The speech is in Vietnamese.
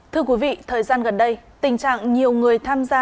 thưa quý vị thời gian gần đây tình trạng nhiều người tham gia